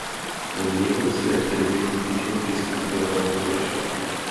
Po mnichovské krizi většina českých obyvatel odešla.